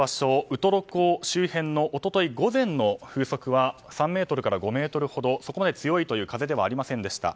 ウトロ港周辺の一昨日午前の風速は３メートルから５メートルほどそこまで強くありませんでした。